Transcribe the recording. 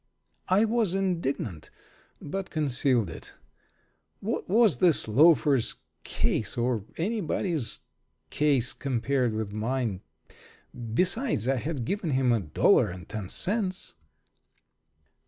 I was indignant, but concealed it. What was this loafer's case or anybody's case compared with mine? Besides, I had given him a dollar and ten cents.